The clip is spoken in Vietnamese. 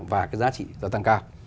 và cái giá trị gia tăng cao